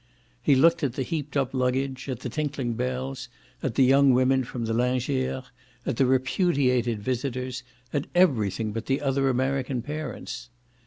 He looked at the heaped up luggage, at the tinkling bells, at the young women from the lingere, at the repudiated visitors, at everything but the other American parents.